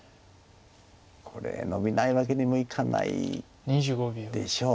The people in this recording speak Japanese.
これノビないわけにもいかないでしょう。